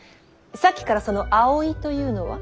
さっきからその葵というのは。